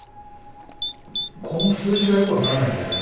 この数字がよく分からないんだよね。